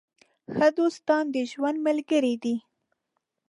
ښه دوستان د ژوند ملګري دي.